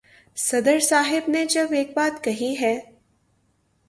صدر صاحب نے جب ایک بات کہی ہے۔